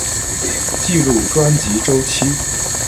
记录专辑周期。